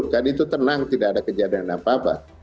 kan itu tenang tidak ada kejadian apa apa